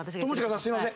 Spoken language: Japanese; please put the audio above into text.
すいません